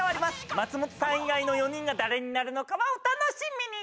松本さん以外の４人が誰になるのかはお楽しみに！